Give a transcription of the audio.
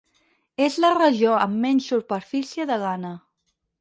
És la regió amb menys superfície de Ghana.